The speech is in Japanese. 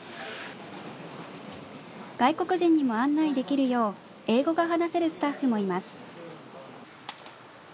外国人にも案内できるよう英語が話せるスタッフもいます。